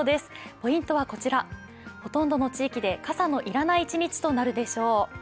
ポイントはこちら、ほとんどの地域で傘の要らない一日となるでしょう。